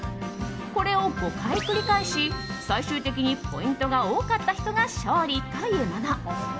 これを５回繰り返し最終的にポイントが多かった人が勝利というもの。